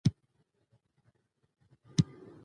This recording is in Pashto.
نو بالکل به ټيک ټاک شي -